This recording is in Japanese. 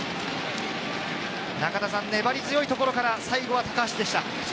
粘り強いところから最後は高橋でした。